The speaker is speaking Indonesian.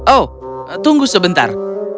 oh tunggu sebentar